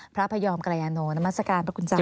พระพยอมกรยานโหน้น้ำมัสกาลพระคุณจัง